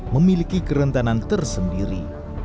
memiliki kerentanan tersendiri